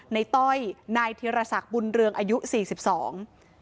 ต้อยนายธีรศักดิ์บุญเรืองอายุสี่สิบสอง